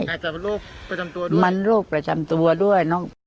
น่าจะโรคประจำตัวด้วย